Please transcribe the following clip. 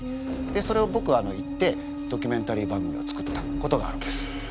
でそれをぼくは行ってドキュメンタリー番組を作ったことがあるんです。